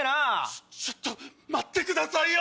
ちょっちょっと待ってくださいよ！